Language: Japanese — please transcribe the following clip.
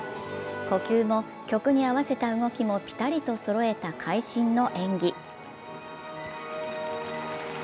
呼吸も曲に合わせた動きもピタリとそろえた会心の演技。